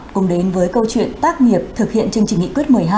cùng đến với câu chuyện tác nghiệp thực hiện chương trình nghị quyết một mươi hai